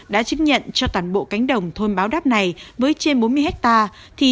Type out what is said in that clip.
đã chứng nhận cho toàn bộ cánh đồng thôn báo đáp này với trên bốn mươi hectare